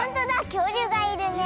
きょうりゅうがいるね。